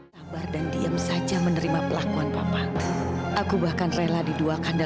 sampai jumpa di video selanjutnya